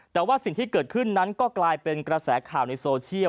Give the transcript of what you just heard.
แต่ว่าสิ่งที่เกิดขึ้นนั้นก็กลายเป็นกระแสข่าวในโซเชียล